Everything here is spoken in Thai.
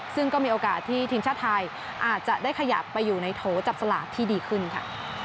ซึ่งก็มีโอกาสที่ทีมชาติไทยอาจจะได้ขยับไปอยู่ในโถจับสลากที่ดีขึ้นค่ะ